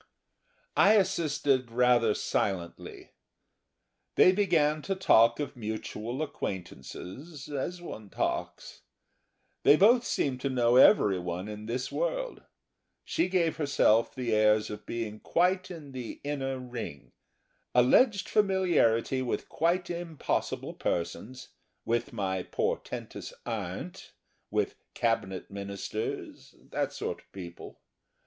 I assisted rather silently. They began to talk of mutual acquaintances as one talks. They both seemed to know everyone in this world. She gave herself the airs of being quite in the inner ring; alleged familiarity with quite impossible persons, with my portentous aunt, with Cabinet Ministers that sort of people.